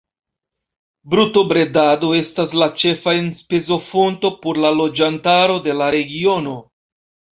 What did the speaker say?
Brutobredado estas la ĉefa enspezofonto por la loĝantaro de la regiono.